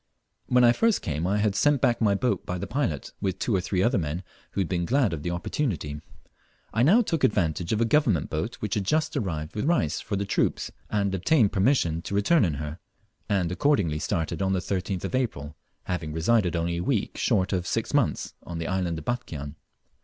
When I first came I had sent back my boat by the pilot, with two or three other men who had been glad of the opportunity. I now took advantage of a Government boat which had just arrived with rice for the troops, and obtained permission to return in her, and accordingly started on the 13th of April, having resided only a week short of six months on the island of Batchian.